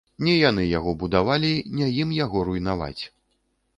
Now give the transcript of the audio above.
Не яны яго будавалі, не ім яго руйнаваць.